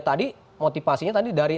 tadi motivasinya tadi dari